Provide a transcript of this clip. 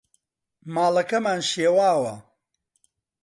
ماڵەکەمان شێواوە.